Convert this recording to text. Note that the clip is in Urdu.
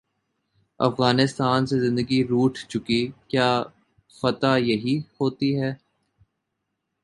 افغانستان سے زندگی روٹھ چکی کیا فتح یہی ہو تی ہے؟